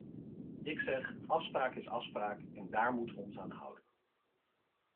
Ik zeg: afspraak is afspraak, en daar moeten we ons aan houden.